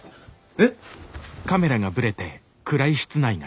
えっ？